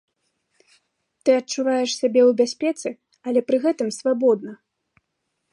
Тут адчуваеш сябе ў бяспецы, але пры гэтым свабодна.